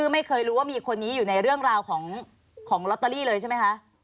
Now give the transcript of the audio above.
ไม่เคยรู้ว่ามีคนนี้อยู่ในเรื่องราวของลอตเตอรี่เลยใช่ไหมคะ